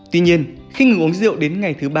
tuy nhiên khi người uống rượu đến ngày thứ ba